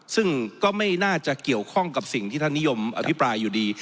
ซึ่งก็ไม่น่าจะเกี่ยวข้องกับสิ่งที่ท่านนิยมอภิปรายอยู่ดี